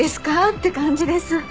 って感じです。